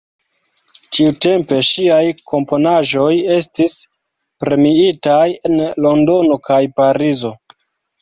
Tiutempe ŝiaj komponaĵoj estis premiitaj en Londono kaj Parizo.